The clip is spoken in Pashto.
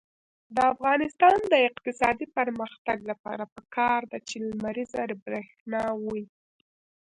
د افغانستان د اقتصادي پرمختګ لپاره پکار ده چې لمریزه برښنا وي.